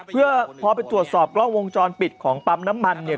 เพื่อพอไปตรวจสอบกล้องวงจรปิดของปั๊มน้ำมันเนี่ย